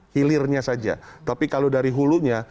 hilirnya saja tapi kalau dari hulunya